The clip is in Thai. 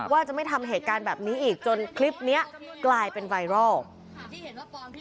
ว่าจะไม่ทำเหตุการณ์แบบนี้อีกจนคลิปนี้กลายเป็นไวรัล